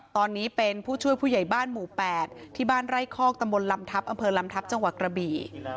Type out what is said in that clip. ตอนนี้เป็นผู้ช่วยผู้ใหญ่บ้านหมู่๘ที่บ้านไร่คอกตำบลลำทัพอำเภอลำทัพจังหวัดกระบี่